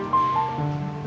aku mau pergi pak